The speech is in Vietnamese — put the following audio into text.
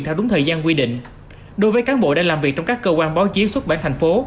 theo đúng thời gian quy định đối với cán bộ đang làm việc trong các cơ quan báo chí xuất bản thành phố